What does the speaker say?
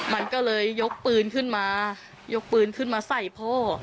มันก็เลยยกปืนขึ้นมายกปืนขึ้นมาใส่พ่อ